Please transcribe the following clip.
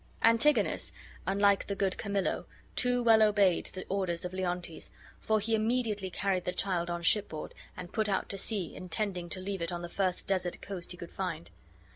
Antigonus, unlike the good Camillo, too well obeyed the orders of Leontes; for he immediately carried the child on shipboard, and put out to sea, intending to leave it on the first desert coast he could find.